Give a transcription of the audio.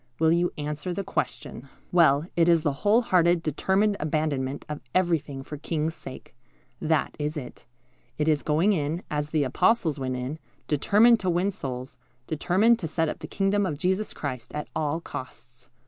Will you answer the question?" Well, it is the whole hearted, determined abandonment of everything for the King's sake. That is it. It is going in, as the Apostles went in, determined to win souls, determined to set up the kingdom of Jesus Christ, at all costs.